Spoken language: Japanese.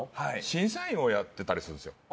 審査員をやってたりするんですよ